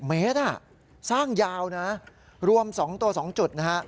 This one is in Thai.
เมตรสร้างยาวนะรวม๒ตัว๒จุดนะฮะ